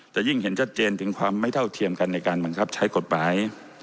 จะยิ่งเห็นชัดเจนถึงความไม่เท่าเทียมกันในการบังคับใช้กฎหมาย